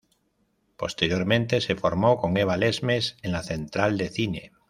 Posteriormente se formó con Eva Lesmes en La central de cine.